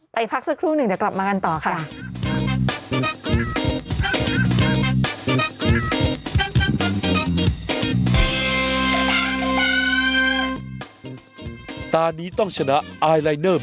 พักสักครู่หนึ่งเดี๋ยวกลับมากันต่อค่ะ